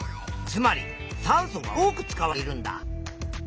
つまり酸素が多く使われているんだ！